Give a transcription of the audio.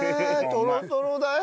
トロトロだよ。